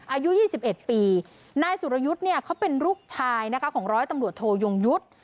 อายุ๒๑ปีนายสุรยุทธรรมเป็นลูกทายของร้อยตำรวจโทยงยุทธ์